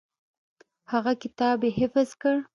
هغه کتاب یې حفظ کړ.